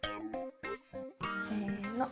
せの。